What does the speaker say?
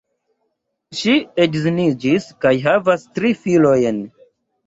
Ŝi edziniĝis kaj havas tri filojn.